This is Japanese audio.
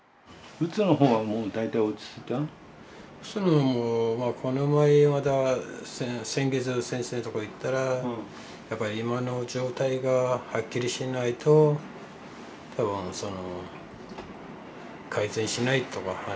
うつはこの前まだ先月先生のところ行ったらやっぱり今の状態がはっきりしないと多分その改善しないとか話してたので。